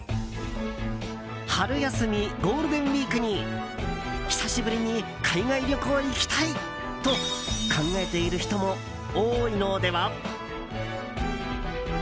春休み、ゴールデンウィークに久しぶりに海外旅行行きたい！と考えている人も多いのでは？